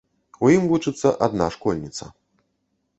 У ім вучыцца адна школьніца.